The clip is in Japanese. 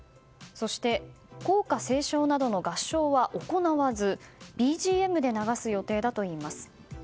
そして校歌斉唱などの合唱は行わずＢＧＭで流す予定だといいます。